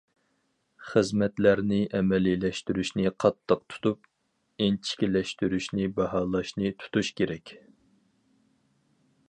خىزمەتلەرنى ئەمەلىيلەشتۈرۈشنى قاتتىق تۇتۇپ، ئىنچىكىلەشتۈرۈشنى، باھالاشنى تۇتۇش كېرەك.